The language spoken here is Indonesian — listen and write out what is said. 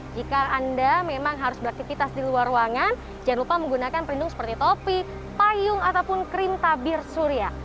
jika anda memang harus beraktivitas di luar ruangan jangan lupa menggunakan perlindung seperti topi payung ataupun krim tabir surya